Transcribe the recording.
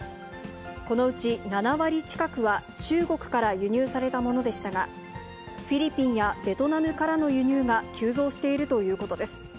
このうち７割近くは中国から輸入されたものでしたが、フィリピンやベトナムからの輸入が急増しているということです。